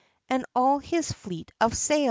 an' all his fleet of sail!